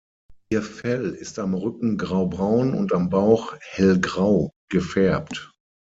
Ihr Fell ist am Rücken graubraun und am Bauch hellgrau gefärbt.